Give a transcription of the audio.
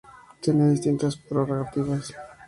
Tenían distintas prerrogativas.